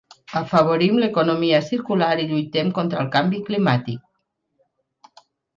Afavorim l'economia circular i lluitem contra el canvi climàtic.